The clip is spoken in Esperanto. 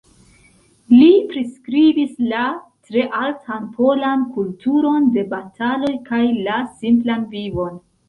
Li priskribis la tre altan polan kulturon de bataloj kaj la simplan vivon.